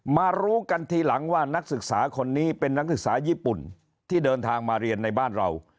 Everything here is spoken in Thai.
รู้กันทีหลังว่านักศึกษาคนนี้เป็นนักศึกษาญี่ปุ่นที่เดินทางมาเรียนในบ้านเรา